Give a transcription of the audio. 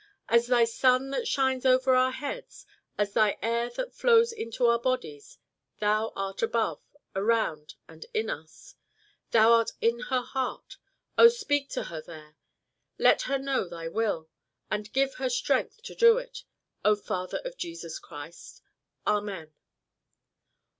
As thy sun that shines over our heads, as thy air that flows into our bodies, thou art above, around, and in us; thou art in her heart: Oh speak to her there; let her know thy will, and give her strength to do it, O Father of Jesus Christ! Amen."